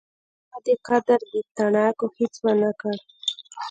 چا دې قدر د تڼاکو هیڅ ونکړ